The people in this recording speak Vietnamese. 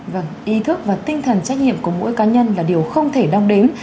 vâng ý thức và tinh thần trách nhiệm của mỗi cá nhân là điều không thể đong đếm